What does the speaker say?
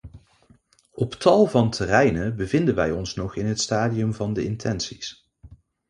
Op tal van terreinen bevinden wij ons nog in het stadium van de intenties.